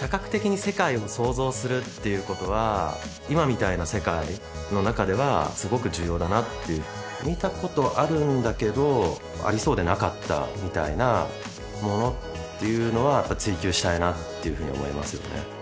多角的に世界を創造するっていうことは今みたいな世界の中ではすごく重要だなっていう見たことあるんだけどありそうでなかったみたいなものっていうのは追求したいなっていうふうに思いますよね